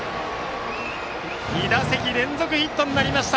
２打席連続ヒットになりました